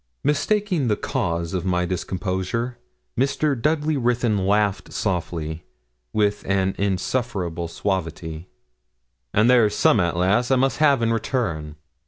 Mistaking the cause of my discomposure, Mr. Dudley Ruthyn laughed softly, with an insufferable suavity. 'And there's some'at, lass, I must have in return.